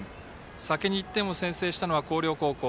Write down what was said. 先に１点を先制したのは広陵高校。